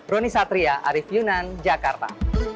roni satria arief yunan jakarta